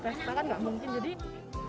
bahkan gak mungkin